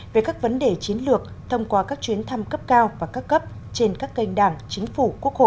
về các vấn đề chiến lược thông qua các chuyến thăm cấp cao và các cấp trên các kênh đảng chính phủ quốc hội